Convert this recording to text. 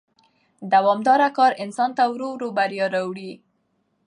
دوامدار کار انسان ته ورو ورو بریا راوړي